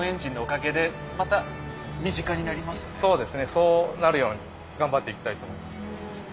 そうなるように頑張っていきたいと思います。